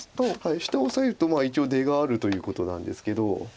下をオサえると一応出があるということなんですけど。